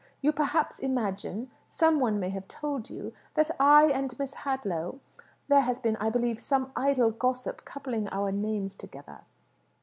You perhaps imagine some one may have told you that I and Miss Hadlow there has been, I believe, some idle gossip coupling our names together."